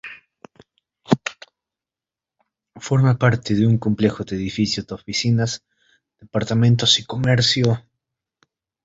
Forma parte de un complejo de edificios de oficinas, departamentos y comercio.